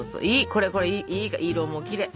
これこれいい色もきれい！